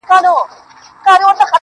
بيا تس ته سپكاوى كوي بدرنگه ككــرۍ.